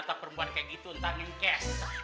nata perempuan kayak gitu entah ngekes